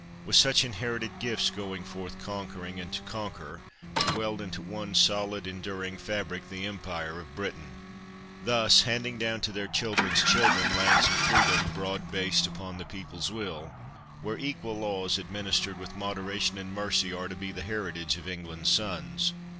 With such inherited gifts, going forth conquering, and to conquer, to weld into one solid, enduring fabric, the Empire of Britain. Thus, handing down to their children's children lands of freedom "broad based upon the people's will," where equal laws administered with moderation and mercy are to be the heritage of England's sons.